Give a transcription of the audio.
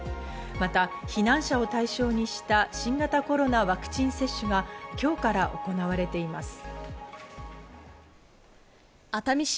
また避難者を対象にした新型コロナワクチン接種が今日から行われています。